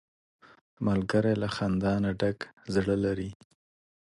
ملګری له خندا نه ډک زړه لري